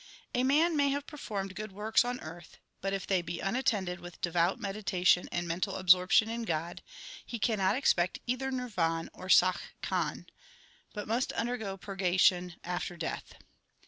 A man may have performed good works on earth, but, if they be unattended with devout meditation and mental absorption in God, he cannot expect either Nirvan or Sach Khand, but must undergo purgation after death.